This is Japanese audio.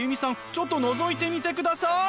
ちょっとのぞいてみてください！